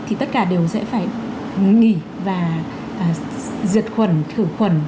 thì tất cả đều sẽ phải nghỉ và diệt khuẩn khử khuẩn